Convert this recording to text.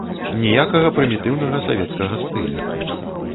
Ніякага прымітыўнага савецкага стылю.